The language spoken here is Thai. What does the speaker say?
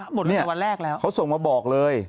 หมดตั้งแต่วันแรกแล้วเขาส่งมาบอกเลย